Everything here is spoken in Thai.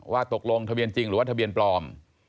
ว่าตกลงทะเบียนจริงหรือว่าทะเบียนปลอม